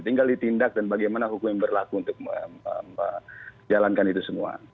tinggal ditindak dan bagaimana hukum yang berlaku untuk menjalankan itu semua